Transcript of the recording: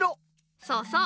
そうそう。